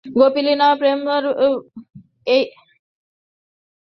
গোপীলীলা প্রেমধর্মের পরাকাষ্ঠা, এই প্রেমে সকল ব্যক্তিত্ব লোপ পায় এবং পরম মিলন ঘটে।